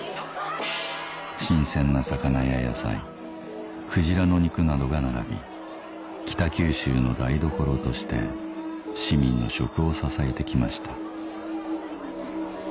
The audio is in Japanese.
新鮮な魚や野菜鯨の肉などが並び北九州の台所として市民の食を支えて来ました